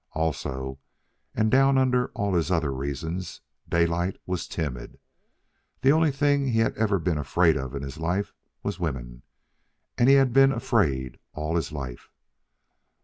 Also, and down under all his other reasons, Daylight was timid. The only thing he had ever been afraid of in his life was woman, and he had been afraid all his life.